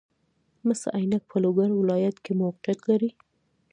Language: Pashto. مس عینک په لوګر ولایت کې موقعیت لري